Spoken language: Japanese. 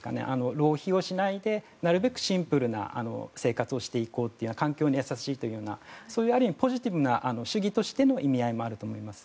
浪費をしないでなるべくシンプルな生活をしていこうという環境に優しいというある意味ポジティブな主義としての意味合いもあると思います。